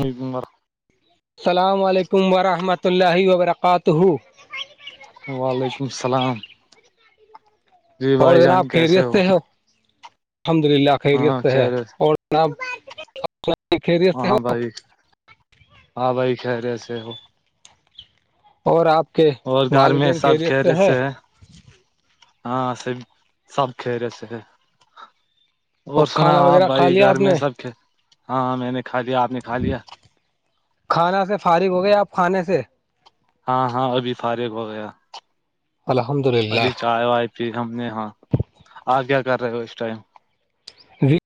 نہیںار السلام علیکم ورحمۃ اللہ وبرکاتہ وعلیکم السلام جی اور بھائی جناب جان کیسے خیریت ہو سے ہے الحمد للہ خیریت ہاں سے ہے خیر اور جناب خیریت سے ہو ہاں بھائی ہاں بھائی کہرے سے ہو اور آپ کے اور گھر میں سب کہہرے سے ہے ہاں س سب کھیرس اور سنا کھانا ہو آپ وغیرہ کھا بھائی لیا گھر آپ میں نے سب ہاں میں نے کھا لیا آپ نے کھا لیا کھانا سے فارغ ہو گیا آپ کھانے سے ہاں ہاں ابھی فارغ ہو گیا الحمد للہ ابھی چائے وائے پھر ہم نے ہاں آ کیا کر رہے ہو اس ٹائم وی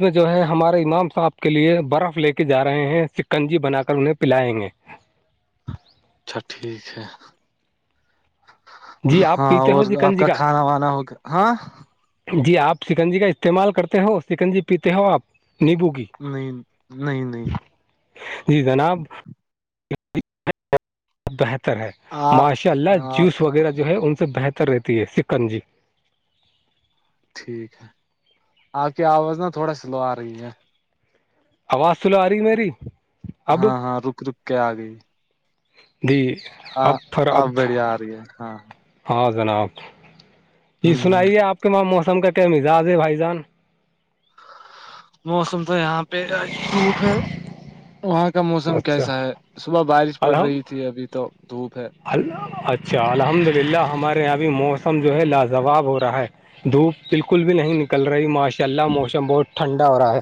میں جو ہے ہمارے امام صاحب کے لیے برف لے کے جا رہے ہیں سکنجی بنا کر انہیں پلائیں گے اچھا ٹھیک ہے جی آپ ہاں پیتے ہو اور آپ سکنجی کا کھانا وانا ہوگیا ہاں جی آپ چکنجی کا استعمال کرتے ہو سکن جی پیتے ہو آپ نیمبو کی نہیں نہیں نہیں جی جناب بہتر ہے ماشاء اللہ آ جوس وغیرہ جو ہے ان سے بہتر رہتی ہے سکن جی ٹھیک ہے آپ کی آواز نا تھوڑا سلو آ رہی ہے آواز سلو آ رہی ہے میری اب ہاں ہاں رک رک کے آ گئی دی ہاں ابتر آپ ابت بڑھیا آ رہی ہے ہاں ہاں جناب جی ہ سنائیے آپ کے وہاں موسم کا کیا مزاج ہے بھائی جان موسم تو یہاں پہ دھوپ ہے وہاں کا موسم اچھا کیسا ہے صبح بارش پڑ الحم رہی تھی ابھی تو دھوپ ہے اچھا الحمد للہ ہمارے یہاں ابھی موسم جو ہے لاجواب ہو رہا ہے دھوپ بالکل بھی نہیں نکل رہی ماشاء اللہ موسم بہت ٹھنڈا ہو رہا ہے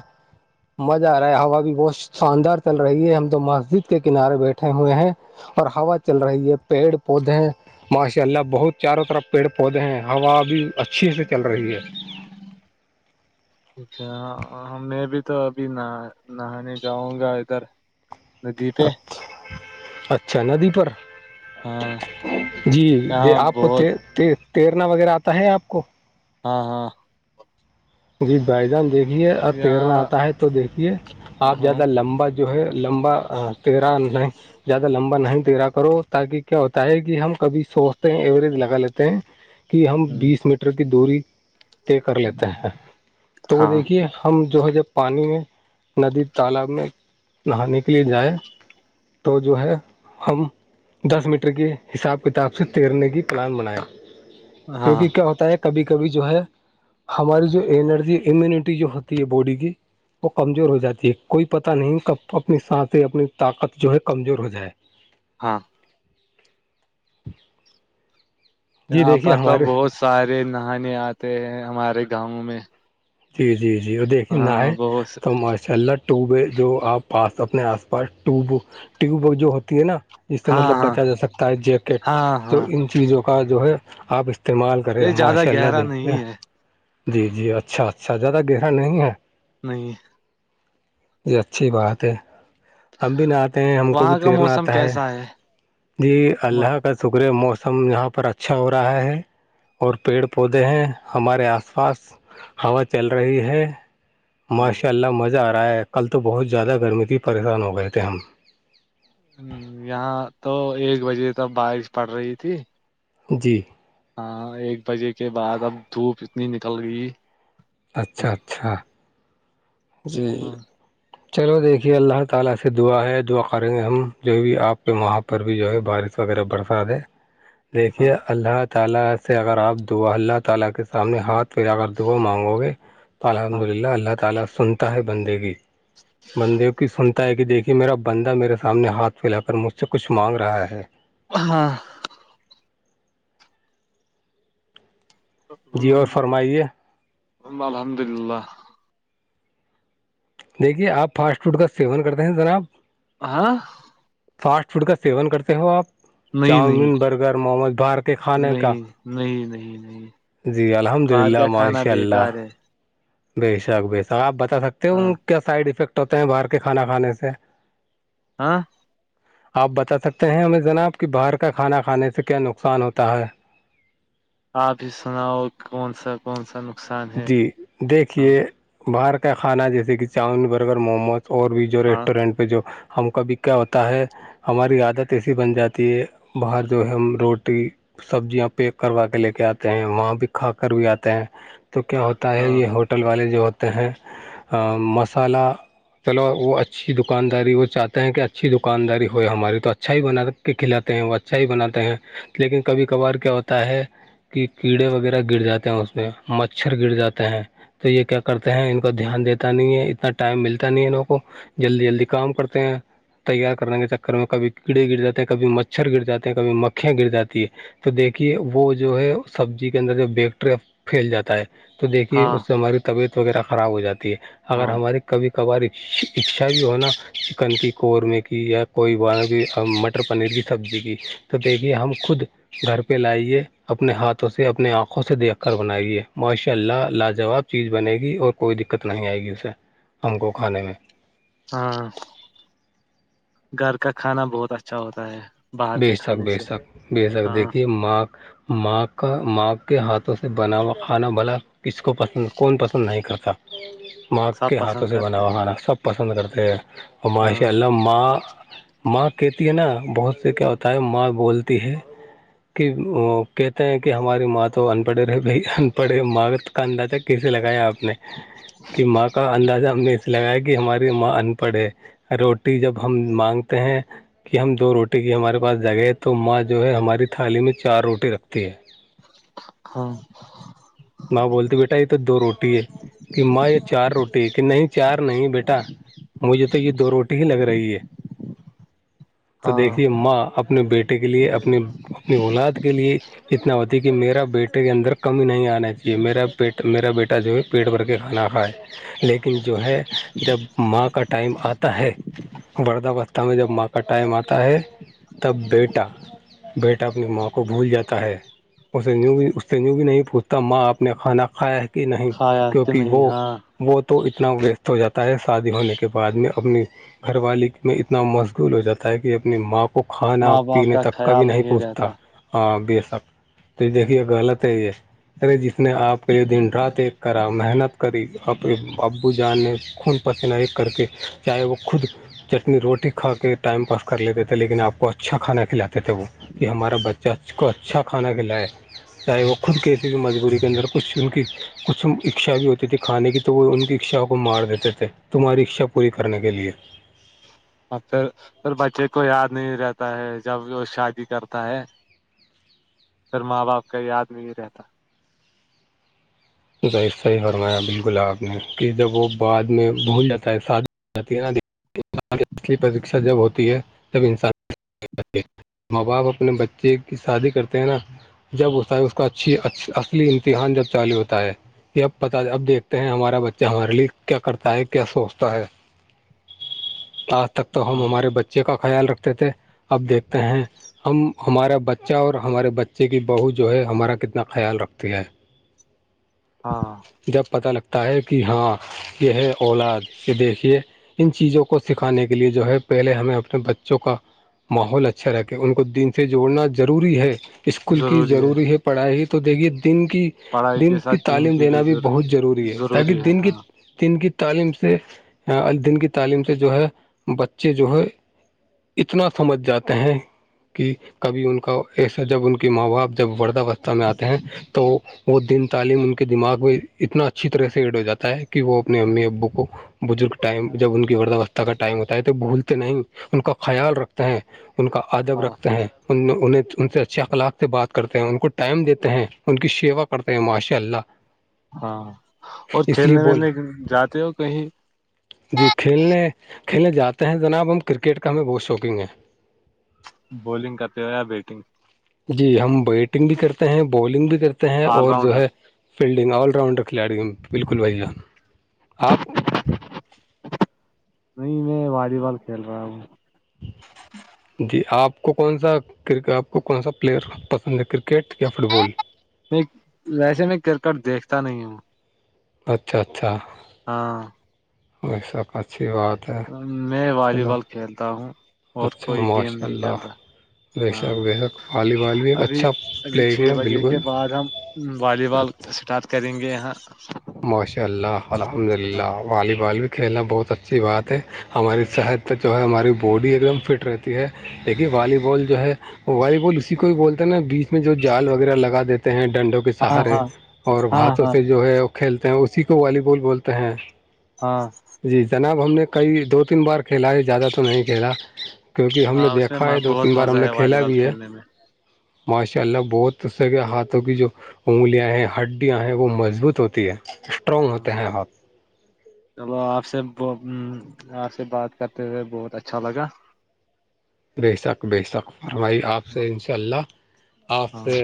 مزہ آ رہا ہے ہوا بھی بہت شاندار چل رہی ہے ہم تو مسجد کے کنارے بیٹھے ہوئے ہیں اور ہوا چل رہی ہے پیڑ پودے ماشاء اللہ بہت چاروں طرف پیڑ پودے ہیں ہوا بھی اچھے سے چل رہی ہے اچا میں بھی تو ابھی نہانے جاؤں گا ادھر ندی پہ اچھا ندی پر ہاں جی یہاں آپ کو بہت تیرنا وغیرہ آتا ہے آپ کو ہاں ہاں جی بھائی جان دیکھیے اور تیرنا یہاں آتا ہے تو دیکھیے آپ ہاں زیادہ لمبا جو ہے لمبا تیرا نہیں زیادہ لمبا نہیں تیرا کرو تاکہ کیا ہوتا ہے کہ ہم کبھی سوچتے ہیں ایوریج لگا لیتے ہیں کہ ہم بیس میٹ کی دوری طے کر لیتے ہیں تو وہ ہاں دیکھیے ہم جو ہے جب پانی میں ندی تالاب میں نہانے کے لیے جائیں تو جو ہے ہم دس میٹر کی حساب کتاب سے تیرنے کی پلان بنایا ہاں کیونکہ کیا ہوتا ہے کبھی کبھی جو ہے ہماری جو انرجی امیونٹی جو ہوتی ہے باڈی کی وہ کمزور ہو جاتی ہے کوئی پتہ نہیں ک اپنی سانس اپنی طاقت جو ہے کمزور ہو جائے ہاں جی یہاں دیکھیے پر تو ہمارے بہت سارے نہانے آتے ہیں ہمارے گاؤں میں جی جی جی وہ دیکھے نہ ہاں ہے بہت تو چلہ ٹیوب جو آپ پاس اپنے آس پاس ٹیوب ٹیوب جو ہوتی ہے نا سے ہاں مطلب ہاں بچا جا سکتا ہے جیکٹ ہاں تو ہاں ان چیزوں کا جو ہے آپ استعمال کرے یہ گا زیادہ ماشاء اللہ گہرا دیکھ گا نہیں ہے جی جی اچھا اچھا زیادہ گرا نہیں ہے نہیں یہ اچھی بات ہے ہم بھی نہ آتے ہیں ہم کو بھی وہاں کا تیرنا موسم آتا ہے کیسا جی اللہ کا شکر ہے موسم یہاں پر اچھا ہو رہا ہے اور پیڑ پودے ہیں ہمارے آس پاس ہوا چل رہی ہے ہاں ماشاء اللہ مزہ آ رہا ہے کل تو بہت زیادہ گرمی تھی پریشان ہو گئے تھے ہم یہاں تو ایک بجے تک بارش پڑ رہی تھی جی ہاں ایک بجے کے بعد اب دھوپ اتنی نکل گئی اچھا ہاں اچھا جی ہاں چلو دیکھیے اللہ تعالی سے دعا ہے دعا کریں گے ہم جو بھی آپ کے وہاں پر پر بھی جو ہے بارش وغیرہ بڑھاتے ہے [inaudible] دیکھیے اللہ تعالی سے اگر آپ دعا اللہ تعالی کے سامنے ہاتھ پھر کر دعا مانگو تو الحمد ہاں للہ اللہ تعالی سنتا ہے بندے کی بندے کی سنتا ہے کہ دیکھیے میرا بندہ میرے سامنے ہاتھ پھیلا کر مجھ سے کچھ مانگ رہا ہے ہاں جی اور فرمائیے الحمد للہ دیکھیے آپ فاسٹ فوڈ کا سیون کرتے ہیں جناب ہ فاسٹ فوڈ کا سیون کرتے ہو آپ نہیں چاؤمین نہیں برگر محمد باہر کے کھانے کا نہیں نہیں نہیں نہیں جی الحمد باہر للہ کا کھانا ماشاء اللہ بیکار ہے بے شک بے شک آپ بتا سکتے ہاں ہو کیا سائڈ افیکٹ ہوتے ہیں باہر کے کھانا کھانے سے ہاں آپ بتا سکتے ہیں ہمیں جناب کہ باہر کا کھانا کھانے سے کیا نقصان ہوتا ہے آپ ہی سناؤ کون سا کون سا نقصان ہے جی ہاں دیکھیے باہر کا کھانا جیسے کہ چاؤمن برگر موموز اور بھی ہاں ریسٹورینٹ پہ جو ہم کا بھی کیا ہوتا ہے ہماری عادت ایسی بن جاتی ہے باہر جو ہے ہم روٹی سبزیاں پیک کروا کے لے کے آتے ہیں وہاں بھی کھا کر بھی آتے ہیں تو کیا ہوتا ہے ہاں یہ ہوٹ ہوٹل والے جو ہوتے ہیں مصالحہ چلو وہ اچھی دکانداری وہ چاہتے ہیں کہ اچھی دکانداری ہوئے ہماری تو اچھا ہی بنا کے کھلاتے ہیں وہ اچھا ہی بناتے ہیں لیکن کبھی کبھار کیا ہوتا ہے کہ کیڑے وغیرہ گر جاتے ہیں اس میں مچھر گر جاتے ہیں تو یہ کیا کرتے ہیں ان کو دھیان دیتا نہیں ہے اتنا ٹائم ملتا نہیں ہے انوں کو جلدی جلدی کام کرتے ہیں تیار کرنے کے چکر میں کبھی کیڑے گر جے ہیں کب مچھر گر جاتے ہیں کبھی مکھیاں گر جاتی ہے تو دیکھیے وہ جو ہے سبزی کے اندر جو بیکٹری پھیل جاتا ہے تو دیکھیے ہاں اس سے ہماری طبیعت وغیرہ خراب ہو جاتی ہے اگر ہاں ہماری کبھی کبھار اچھا بھی ہوناا چکن کی قورمے کی یا کوئی بار مٹر پنیر کی سبزی کی تو دیکھیے ہم خود گھر پہ لائیے اپنے ہاتھوں سے اپنے آنکھوں سے دیکھ کر بنائیے ماشاء اللہ لاجواب چیز بنے گی اور کوئی دقت نہیں آئے گی اسے ہم کو کھانے میں ہاں گھر کا کھانا بہت اچھا ہوتا ہے باہر بے کے شک کھانے بیے سے تک بے شک ہاں دیکھیے ماںک ماں کا ماں کے ہاتھوں سے بنا ہوا کھانا بھلا کس کو پسند کون پسند نہیں کرتا ماں سب کے ہاتھوں پسند سے بنا کرتے ہوا ہیں کھانا سب پسند کرتے ہیں اور ماشاء ہاں اللہ ماں ماں کہتی ہے نا بہت سے کیا ہوتا ہے ماں بولتی ہے کہ وہ کہتے ہیں کہ ہماری ماں تو ان پڑھے رہے بھائی ان پڑھے مگت اندازہ کیسے لگایا آپ نے کہ ماں کا اندازہ ہم نے لگایا کہ ہماری ماں ان پڑھ ہے روٹی جب ہم مانگتے ہیں کہ ہم دو روٹی رٹی کی ہمارے پاس جگہ ہے تو ماں جو ہے ہماری تھالی میں چار روٹی رکھتی ہے ہاں ماں بولتی بیٹا یہ تو دو روٹی ہے کہ ماں یہ چار روٹی ہے کہ نہیں چار نہیں بیٹا مجھے تو یہ دو روٹی ہی لگ رہی ہے تو دیکھ ہاں لے ماں اب اپنے بیٹے کے لیے اپنے اپنی اولاد کے لیے اتنا ہوتی ہے کہ میرا بیٹے کے اندر کمی نہیں آنای یہ میرا پیٹ میرا بیٹا جو ہے پیٹ بھر کے کھانا کھائے لیکن جو ہے جب ماں کا ٹائم آتا ہے ردا وستھہ میں جب ماں کا ٹائم آتا ہے تب بیٹا بیٹا اپنی ماں کو بھول جاتا ہے اسے یوں بھی اس سے یوں بھی نہیں پوچھتا ماں آپ نے کھانا کھایا ہے کہ نہیں کھایا کہ کیونکہ نہیں وہ ہاں وہ تو اتنا ویسٹ ہو جاتا ہے شادی ہونے کے بعد میں اپنی گھر والی میں اتنا مشغول ہو جاتا ہے کہ اپنی ماں کو کھانا ماں باپ پینے کا تک ک بھیھی خیال نہیں پہچھتا رہتا ہاں بے شک تو نہیں دیکھیے غلط ہے یہ ارے ج اس نے آپ کا یہ دن رات ایک کرا محنت کری اپ ابو جان نے خون پسن ایک کر کے چاہے وہ خود چٹنی روٹی کھا کے ٹائم پا کر لیتے تھے لیکن آپ کو اچھا کھانا کھلاتا تھے وہ کہ ہمارا بچہ کو اچھا کھانا کھلائے چاہے وہ خود کسی بھی مجبوری اندر کچھ ان کی کچھ اچھا بھی ہوتی تھی کھانے کی تو وہ ان کی اچھاؤ کو مار دیتے تھے تمہاری اچھا پوری کرنے کے لیے اور پھر پھر بچے کو یاد نہیں رہتا ہے جب وہ شادی کرتا ہے سر ماں باپ کا یاد نہیں رہتا صحی فرمایا بالکل آپ نے کہ جب وہ بعد میں بھول جاتا ہے ساد اصلی پرشا جب ہوتی ہے تب انسان ماں باپ اپنے بچے کی شادی کرتے ہیں نا جب ہوتا ہے اس کا اچھی اچ اصلی امتحان جب چالے ہوتا ہے یہ اب پتا اب دیکھتے ہیں ہمارا بچہ ہمارے لیے کیا کرتا ہے کیا سوچتا ہے [inaudible] آج تک تو ہم ہاں ہمارے بچے کا خیال رکھتے تھے اب دیکھتے ہیں ہم ہمارا بچہ اور ہمارے بچے کی بہو جو ہے ہمارا کتنا خیال رکھتی ہے ہاں جب پتہ لگتا ہے کہ ہاں یہ ہے اولاد یہ دیکھیے ان چیزوں کو سکھانے کے لیے جو ہے پہلے ہمیں اپنے بچوں کا ماحول اچھا رہے ان کو دن سے جوڑنا ضروری ہے اسکول کی ضروری ہے پڑھائی تو دیکھیے دن کی پڑھائی کے دن کی ساتھ دین تعلیم کی دینا بھی بہت ضروری ہے تاکہ ہے دن کی ہاں دن کی تعلیم سے دن کی تعلیم سے جو ہے بچے جو ہے اتنا سمجھ جاتے ہیں کہ کبھی ان کا ایسا جب ان کی ماں باپ جب وردھاوستھا میں آتے ہیں تو وہ دن تعلیم ان کے دماغ میں اتنا اچھی طرح سے ایڈ ہو جاتا ہے کہ وہ اپنے امی ابو کو بزرگ ٹائم جب ان کی ورداوستہ کا ٹائم ہوتا ہے تو بھولتے نہیں ان کا خیال رکھتے ہیں ان کا ادب ہاں رکھتے ہیں ان انہ انن سے اچھے اخلاق سے بات کرتے ہیں ان کو ٹائم دیتے ہیں ان کی شیوا کر ماشاء اللہ ہاں اور اس لیے کھیلنے بول ملنے جاتے ہو کہیں جی کھیلنے کھیلنے جاتے ہیں جناب ہم کرکٹ کا ہمیں بہت شوکنگ ہے بولنگ کرتے ہو یا بیٹنگ جی ہم بیٹنگ بھی کرتے ہیں بولنگ بھی کرتے ہیں آل اور جو راؤنڈر ہے فیلڈنگ راؤنڈر کھلاڑی بالکل بھیا آپ نہیں میں والی بال کھیل رہا ہوں [inaudible] جی آپ کو کون سا کرک آپ کو کون سا پلیئر پسند ہے کرکٹ یا فٹ بال میں ویسے میں کرکٹ دیکھتا نہیں ہوں اچھا اچھا ہاں وہی سب آچشھی باد میں والی بال کھیلتا ہوں اور اچھا کوئی گیم ماشاء نہیں کھیلتا اللہ بے ہاں شک بے شک والی بال بھی ایک ابھی اچھا ابھی پلیئنگ چھ ہے بجے کے بالکل بعد ہم والی بال اچھا اسٹارٹ کریں گے یہاں ماشاء اللہ الحمد للہ والی بال بھی کھیلنا بہت اچھی بات ہے ہماری صحت تک جو ہے ہماری باڈی ایک دم فٹ رہتی ہے دیکھین والی بال جو ہے والی بول اسی کو بھی بولتا ہے نا بیچ میں جو جال وغیرہ لگا دیتے ہیں ڈنڈوں کو کے ہاں سہارے ہاں اور ہاں ہاتھوں ہاں سے جو ہے کھیلتے ہیں اسی کو والی بال بولتے ہیں ہاں جی جناب ہم نے کئی دو تین بار کھیلا ہے زیادہ تو نہیں کھیلا کیونکہ ہم نے ہاں اس میں دیکھا ہے دو تین بہت بار ہم مزہ نے ہے والی کھیلا بال بھی ہے کھیلنے میں ماشاء اللہ بہت اس سے کے ہاتھوں کی جو انگلیاں ہیں ہڈیاں ہیں وہ مضبوط ہوتی ہے اسٹرانگ ہاں ہوتے ہیں ہاتھ چلو آپ سے آپ سے بات کرتے ہوئے بہت اچھا لگا بے شک بے شک فرمائی آپ سے ہاں ان شاء اللہ آپ ہاں سے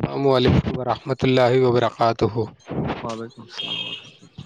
السلام علیکم ورحمۃ اللہ وبرکاتہ وعلیکم السل ورحمۃ اللہ